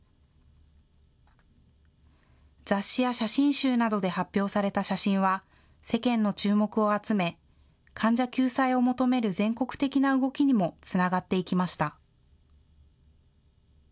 雑誌や写真集などで発表された写真は、世間の注目を集め、患者救済を求める全国的な動きにもつながっていきました。